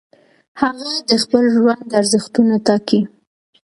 هغه د خپل ژوند ارزښتونه ټاکي.